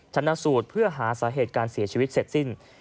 ชนะสูตรเพื่อหาสาเหตุการเสียชีวิตเสร็จสิ้น